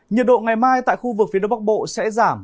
nhiệt độ ngày mai tại khu vực phía đông bắc bộ sẽ giảm